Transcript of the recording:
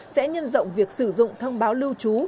sẽ nhân rộng việc sử dụng thông báo lưu trú